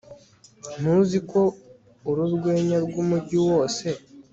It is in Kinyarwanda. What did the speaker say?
ntuzi ko uri urwenya rwumujyi wose